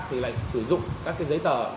thì lại sử dụng các giấy tờ